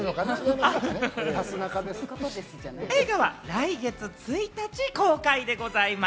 映画は来月１日公開でございます。